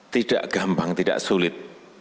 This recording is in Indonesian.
tidak gampang tidak sulit